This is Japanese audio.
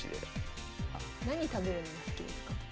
何食べるの好きですか？